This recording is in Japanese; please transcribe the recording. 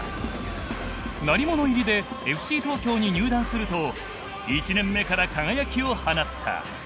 鳴り物入りでＦＣ東京に入団すると１年目から輝きを放った。